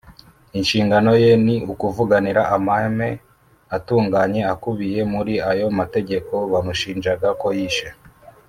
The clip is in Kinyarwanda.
inshingano ye ni ukuvuganira amahame atunganye akubiye muri ayo mategeko bamushinjaga ko yishe